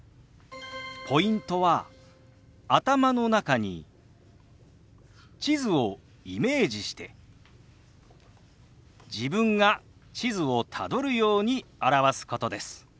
ポイントは頭の中に地図をイメージして自分が地図をたどるように表すことです。